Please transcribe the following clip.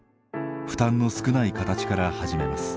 負担の少ない形から始めます。